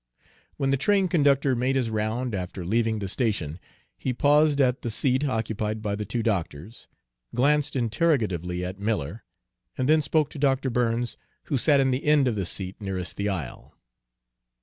When the train conductor made his round after leaving the station, he paused at the seat occupied by the two doctors, glanced interrogatively at Miller, and then spoke to Dr. Burns, who sat in the end of the seat nearest the aisle.